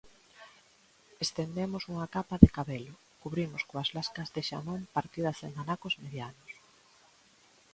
Estendemos unha capa de cabelo, cubrimos coas lascas de xamón partidas en anacos medianos.